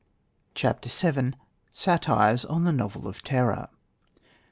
CHAPTER VII SATIRES ON THE NOVEL OF TERROR.